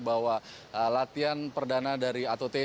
bahwa latihan perdanaan timnas ini tidak akan berakhir